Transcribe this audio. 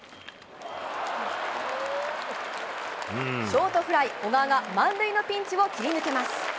ショートフライ、小川が満塁のピンチを切り抜けます。